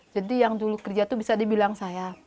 jadi yang dulu kerja itu bisa dibilang saya